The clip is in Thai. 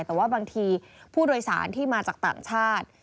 แต่ว่าบางทีผู้โดยสารที่มาจากต่างชาติ